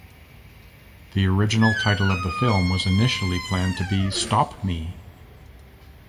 The original title of the film was initially planned to be "Stop Me".